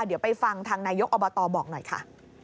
เดี๋ยวไปฟังทางนายกอบตบอกหน่อยค่ะ